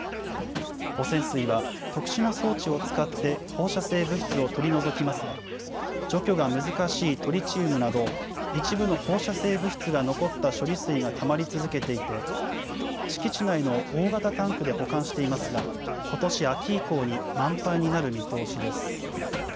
汚染水は、特殊な装置を使って放射性物質を取り除きますが、除去が難しいトリチウムなど、一部の放射性物質が残った処理水がたまり続けていて、敷地内の大型タンクで保管していますが、ことし秋以降に満杯になる見通しです。